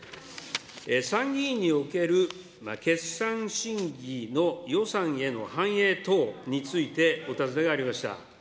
参議院における決算審議の予算への反映等についてお尋ねがありました。